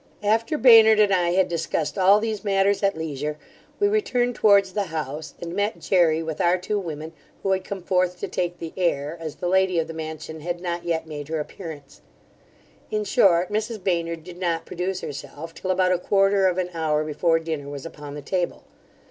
After Baynard and I had discussed all these matters at leisure, we returned towards the house, and met Jery with our two women, who had come forth to take the air, as the lady of the mansion had not yet made her appearance. In short, Mrs Baynard did not produce herself, till about a quarter of an hour before dinner was upon the table.